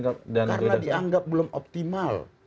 karena dianggap belum optimal